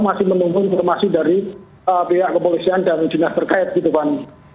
masih menunggu informasi dari pihak kepolisian dan dinas terkait gitu fan